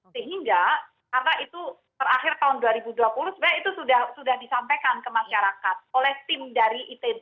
sehingga karena itu terakhir tahun dua ribu dua puluh sebenarnya itu sudah disampaikan ke masyarakat oleh tim dari itb